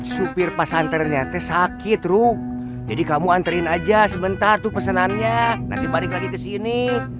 supir pasan ternyata sakit ruh jadi kamu anterin aja sebentar tuh pesanannya nanti balik lagi ke sini